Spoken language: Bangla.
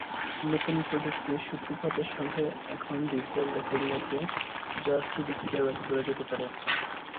নতুন প্রযুক্তির সূত্রপাতের সঙ্গে, এখন ডিজিটাল রেকর্ডিং আছে, যা সিডি থেকে রেকর্ড করা যেতে পারে।